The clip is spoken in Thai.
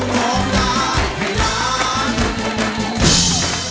ร้องด้านให้ร้าน